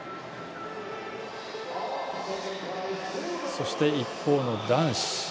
そして、一方の男子。